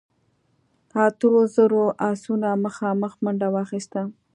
اتو زرو آسونو مخامخ منډه واخيسته.